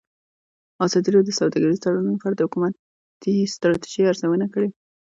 ازادي راډیو د سوداګریز تړونونه په اړه د حکومتي ستراتیژۍ ارزونه کړې.